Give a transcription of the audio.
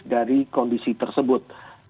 dari kondisi tersebut